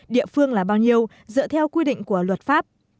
địa phương là bao nhiêu dựa theo quy định của luật pháp